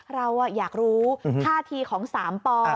เราอยากรู้ท่าทีของ๓ป